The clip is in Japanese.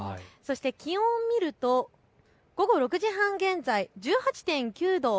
気温を見ると午後６時半現在、１８．９度。